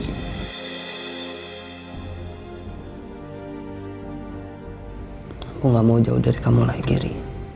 aku nggak mau jauh dari kamu lagi ri